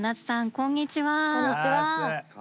こんにちは。